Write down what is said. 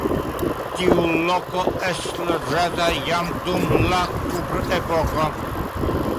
Tiu loko estis loĝata jam dum la kuprepoko.